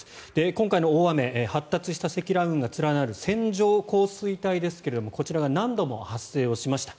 今回の大雨発達した積乱雲が連なる線状降水帯ですがこちらは何度も発生をしました。